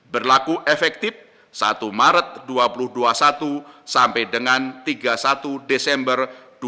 berlaku efektif satu maret dua ribu dua puluh satu sampai dengan tiga puluh satu desember dua ribu dua puluh